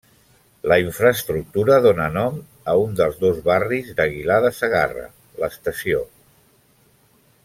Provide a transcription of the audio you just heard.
La infraestructura dóna nom a un dels dos barris d'Aguilar de Segarra, l'Estació.